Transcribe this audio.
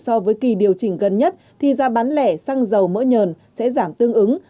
so với kỳ điều chỉnh gần nhất thì giá bán lẻ xăng dầu mỡ nhờn sẽ giảm tương ứng